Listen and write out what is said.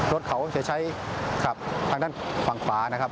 รถเขาจะใช้ขับทางด้านฝั่งขวานะครับ